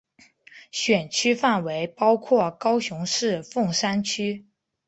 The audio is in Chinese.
选区范围包括高雄市凤山区。